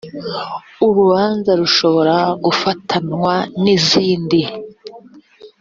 urubanza rushobora gufatanywa n’izindi